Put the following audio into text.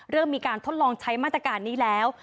เริ่มมีการทดลองใช้มาตรการนี้แล้ว